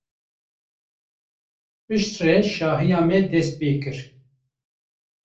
Piştre şahiya me dest pê kir.